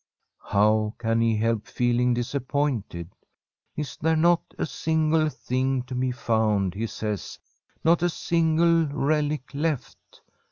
How can he help feeling disappointed? Is there not a single thing to be found, he says, not a single relic left?